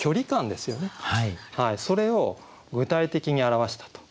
それを具体的に表したと。